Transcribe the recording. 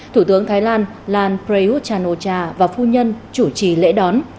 thủ tướng thái lan lan prayuth chan o cha và phu nhân chủ trì lễ đón